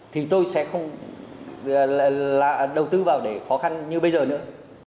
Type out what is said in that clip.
thì tôi sẽ không đầu tư vào để khó khăn như bây giờ nữa